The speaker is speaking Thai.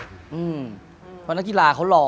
ที่ผ่านมาที่มันถูกบอกว่าเป็นกีฬาพื้นบ้านเนี่ย